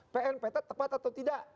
pn pt tepat atau tidak